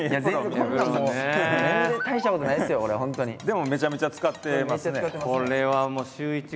でもめちゃめちゃ使ってますね。